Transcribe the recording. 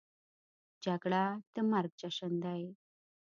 جګړه د مرګ جشن دی